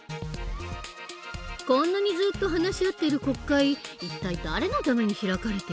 こんなにずっと話し合っている国会一体誰のために開かれてるの？